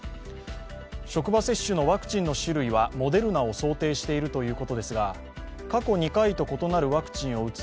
職場接種のワクチンの種類はモデルナを想定しているということですが過去２回と異なるワクチンを打つ